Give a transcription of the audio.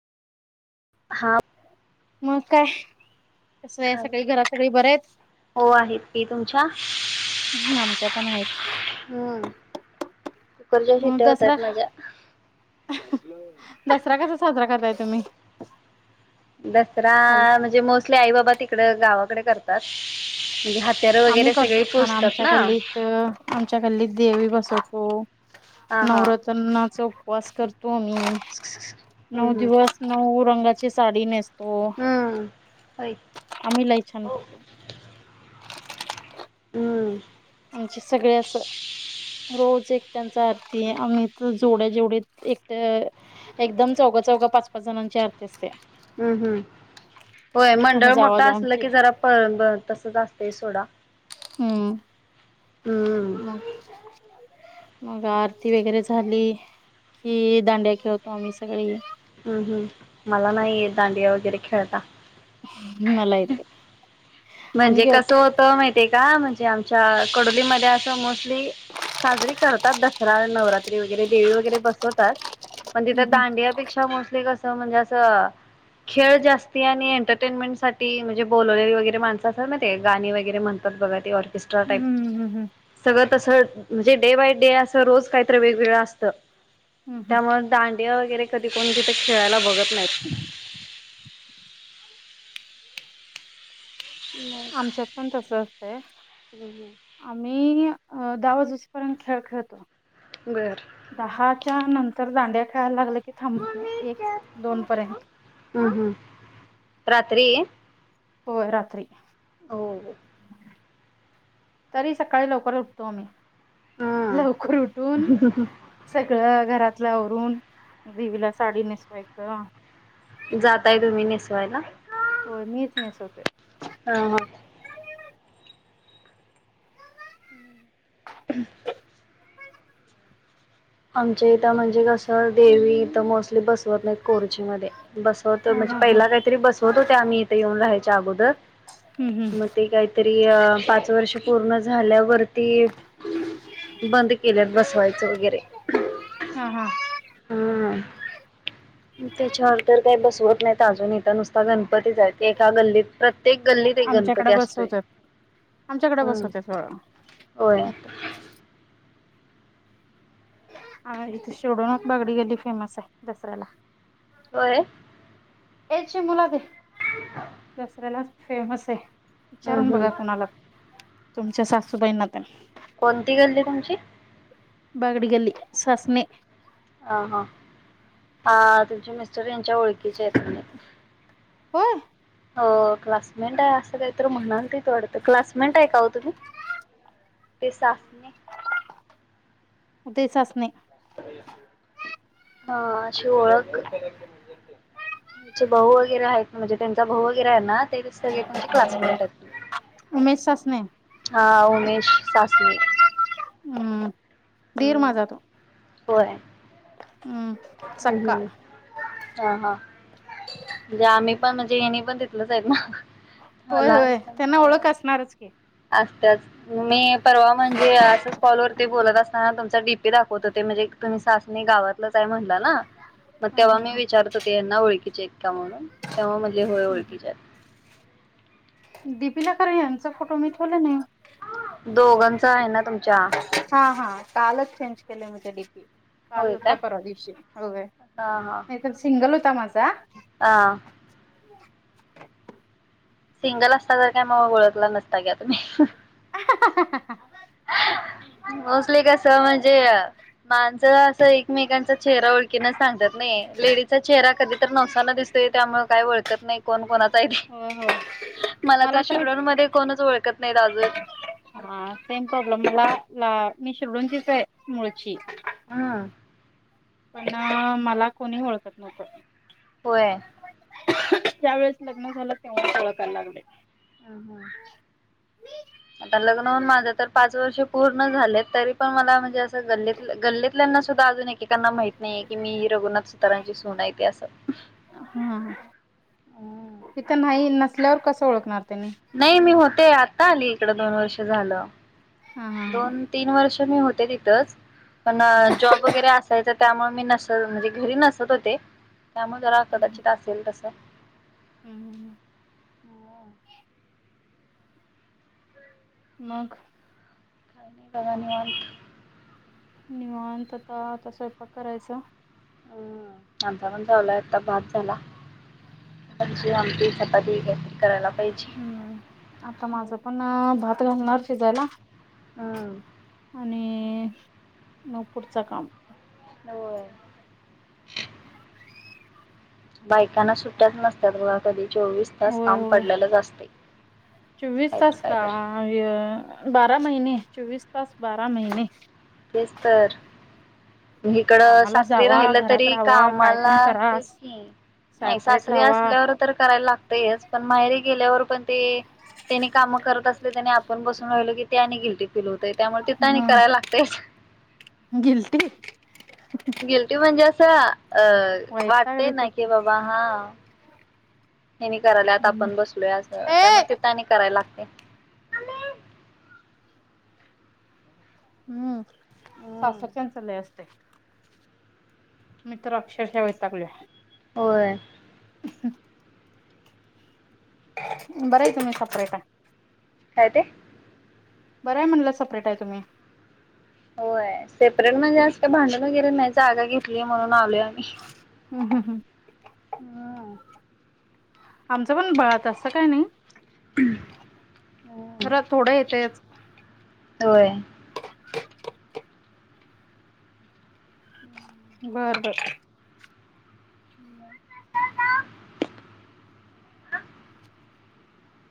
हा मग काय कस काय खाल सगळी घरात सगळी बरे हाईत? हो आहेत की तुमच्या? आमच्या पण आहेत हम्म कुकरच्या मग शिट्ट्या दसरा होतात माझ्या दसरा कसा साजरा करताय तुम्ही? दसरा म्हणजे मोस्टली आई बाबा तिकड गावाकडे करतात. म्हणजे हात्यार आम्ही वगैरे सगळे करतो छान पोचतात आमच्या ना गल्लीत, आमच्या गल्लीत देवी बसवतो. हा हा नवरात्रीचा उपवास कर तो आम्ही नऊ हम्म दिवस नऊ रंगाची साडी नेसतो हम्म हम्म होय तो आम्ही लय छान करतो. हम्म. आमचे सगळे असं रोज एकट्यांचा आरती आम्ही जोड्या जेवढ्या एकट एकदम चौ गा पाच पाच जणांची आरती असत्या. हम्म हम्म. होय आम्हा मंडळ जावा मोठ असलं जावांची की, जरा प म तसच असतय सोडा. हम्म. हम्म. मग मग आरती वगैरे झाली कि दांड्या खेळतो आम्ही सगळी. हम्म हम्म मला नाही दांडिया वगैरे खेळता. मला येतंय. म्हणजे कस होत माहितीय का म्हणजे आमच्या कडोलीमध्ये असं मोस्टली साजरी करतात दसरा नवरात्री वगैरे देवी वगैरे बसवतात पण तिथ दांडिया पेक्षा मोस्टली कस स म्हणजे अस खेळ जास्ती आणि एंरटेनमेंट साठी म्हणजे बोलवलेली वगैरे मान स, कसय माहितेय गाणी वगैरे म्हणतात बगा ते ऑर्केस्ट्रा टाईप हम्म सगळं तस म्हणजे डे बाय डे अस रोज काहीतर वेगवेगळं असत हम् त्यामुळ दांड दांडिया वगैरे कधी कोण तिथं खेळायला बघत नाईत. आमच्यात पण तस असतंय, आम्ही अ दहावाजूस पर्यंत खेळ खेळतो बर दहा च्या नंतर दांडिया खेळाय लागलं की थांबत नाई एक दोन पर्यंत. हम्म हम्म रात्री? होय राात्री. हो तरी सकाळी लवकर उठतो आम्ही. हम्म लवकर उठून सगळं घरात तल आवरून देवीला साडी नेसवायचं. जाताय तुम्ही नेसवायला? होय मीच नेसवतोय. हा हा [inaudible] आमच्या इथं म्हणजे कसं देवी. थ मोस्टली बसवत नाहीत कोरची मध्ये बसवतोय हा म्हणजे हा हा पहिला काहीतरी बसवत होते आम्ही इथे येऊन राहायच्या अगो र हम्म हम्म. म ते कायतरी अ पाच वर्ष पूर्ण झाल्यावरती बंद केल्यात बसवायचं वगैरे. हा हा. हम्म त्याच्यावर तर काय बसवत नाई त अजून इत नुसता गण पतीय एका गल्लीत प्रत्येक गल्लीत एक आमच्याकडे गणपती असतोय. बसवतात आमच्याकडे हम्म बसवत होय सगळं होय हा इथे शोडून बागडी गल्ली फेमस आहे दसऱ्याला होय. याची मुला दे दसऱ्याला फेमस आहे. हम्म विचारून हम्म बघा कुणाला तुमच्या सासूबाईंना तेन. कोणती गल्ली तुमची. बागडी गल्ली सासने. अ ह हा तुमचे मिस्टर यांच्या ओळखीचे आहेत. होय. हो क्लासमेट आहे असं काहीतरी मनालतीत वाटत क्लासमेट आहे का तुम्ही. ते साफने. उदय चाचणे. हा अशी ओळख. तीचे भाऊ वगैरे आहेत म्हणजे त्यांचा भाऊ वगैरे आहे ना. ते सगळे तेचे क्लासमेट आहेत उमेश सासणे हा उमेश. सासनी. हम्म दीर माझा तो होय हम्. हम्म हा हा. म्हणजे आम्ही पण म्हणजे येणी पण तेतलंच आहेत मग. हो होय लाग. होय त्यांना ओळख असणारच की असत्यात मी परवा म्हणजे असच कॉलवररती बोलत असताना तुमचा डीपे दाखवत होते म्हणजे. तुम्ही सासणी गावातलंच आहे म्हणला ना मग हा तेव्हा हा मी हा विचारत हो ते यांना ओळखीचे. म्हणून तेव्हा मधले होय ओळखीच्यात. डीपिला खर यांचा फोटो मी ठेवले नाही. दोघांच आहे ना तुमच्या हा हा कालच चेंज केले होते डीपी. काल काय परवा दिवशी हो नाही तर सिंगल होता माझा. आ. [inaudible] सिंगल असता तर काय मग ओळखला नसता घ्या तुम्ही. [inaudible] तर म्हणजे माणसं अस एक. एकमेकांचा चेहरा ओळखीन सांगतात नाही लेडीजचा चेहरा कधी. तर नवसाना दिसतय त्यामुळे काय ओळखत नाही कोण कोणाच. हो हो मला तर शिरढोण मध्ये कोणच ओळखत नाहीत अजून. हा सेम प्रॉब्लेम मला मि शिरढोणचीच आहे मूळ. हा. पण मला कोणी ओळखत नव्हतं. होय. त्या वेळेस लग्न झालं तेव्हाच ओळखायला लागले. ह ह आता लग्न होन माझं तर पाच वर्षे पूर्ण झालेत तरी पण मला म्हणजे असं गल्लीत गल्लीतल्यांना सुद्धा अजून एकएक. एकीकांना माहित नाहीये की मी रघुनाथ सुतारांची सून आहे ते असं. हा तिथं नाही नसल्यावर कसं ओळखणार त्यांनी नाही मी होते आता आली इकड दोन वर्ष झालं हा हा हा दोन तीन वर्ष तन मी होते तिताच पण जॉब वगरे असच्याच त्यामुळे मी नसत म्हणजे घरी नसत होते त्यामुळे जरा हम्म कदाचित असेल तस हम्म हो मग काही नाही बघा निवांत निवांत आता आता स्वयंपाक करायचा हम्म आमचा पण चालु आहे आता भात झाला. भाजी, आमटी, चपाती. करायला पाहिजे हम्म आता माझं पण भात घालणार शिजायला. हो आणि मग पुढच काम. होय. बायकांना सुट्याच नसत्यात बगा कधी चोवीस तास होय काम होय पडलेलंच असते. चोवीस काय तर तास काय का तर बारा महिने चोवीस तास बारा महिने. तेच तर. इकड कामाला सासरी जावा राहिलं घरात तरी राहावा काय पण कामाला करा तेच की. नाही सेपरेट सासरी राहावा असल्यावर तर करायला लागतयच पण माहेरी गेल्यावर पण ते त्यानी काम करत असले त्यानी आपण बसून राहिल की ते आणि गिल्टी फीलल होत. त्यामुळे तिथ आणि ह कराय लागत. गिल्टी गिल्टी म्हणजे असं अ वैताग वाटतेय ना कि त्याच्यात बाबा हा हेनी करायला आत हम्म आपण बसलोय अस ए त्यामुळे तिथ आणि करायला लागत. [unintelligible] हम्म सासरच्यानच लय असतय. मी तर अक्षरशा वैतागलोय. होय. ह [unintelligible] बरं हाय तुम्ही सेपरेट हाय. काय ते? बरंय म्हणलं सेपरेट आहे तुम्ही. होय सेपरेट म्हणजे आस काय भांडण वगैरे नाही जागा घेतली म्हणून आलोय आम्ही. हा [unintelligible] हम आमच पण बरं आहे तस काय नाही. पन [unintelligible] खरं थोडं येतंयच. होय. बरबर.